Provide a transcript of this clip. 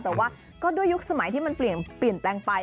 แต่ว่าก็ด้วยยุคสมัยที่มันเปลี่ยนแปลงไป